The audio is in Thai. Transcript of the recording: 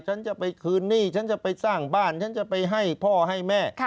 ฉันจะไปคืนหนี้ฉันจะไปสร้างบ้านฉันจะไปให้พ่อให้แม่